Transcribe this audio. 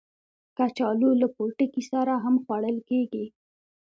کچالو له پوټکي سره هم خوړل کېږي